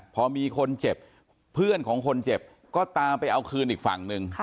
พอมีคนเจ็บเพื่อนของคนเจ็บก็ตามไปเอาคืนอีกฝั่งหนึ่ง